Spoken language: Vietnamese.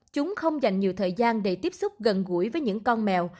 chúng không dành nhiều thời gian để tiếp xúc gần gũi với những con mèo